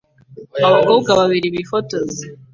Abakobwa babiri bifotoza